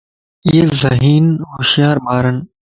ايي ذھين / ھوشيار ٻارن